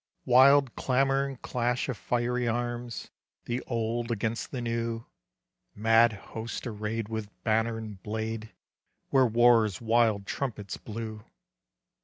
Wild clamor and clash of fiery arms, The old against the new. Mad hosts arrayed with banner and blade, Where war's wild trumpets blew.